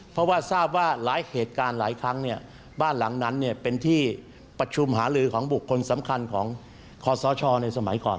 เพราะว่าทราบว่าหลายเหตุการณ์หลายครั้งเนี่ยบ้านหลังนั้นเป็นที่ประชุมหาลือของบุคคลสำคัญของคอสชในสมัยก่อน